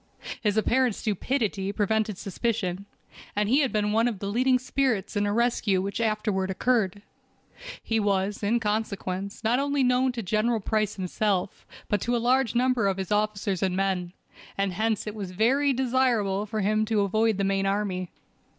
His apparent stupidity prevented suspicion, and he had been one of the leading spirits in a rescue which afterward occurred. He was, in consequence, not only known to General Price himself, but to a large number of his officers and men, and hence it was very desirable for him to avoid the main army.